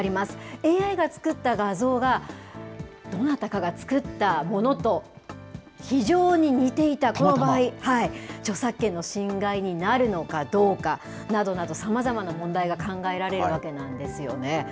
ＡＩが作った画像が、どなたかが作ったものと非常に似ていた、この場合、著作権の侵害になるのかどうかなどなど、さまざまな問題が考えられるわけなんですよね。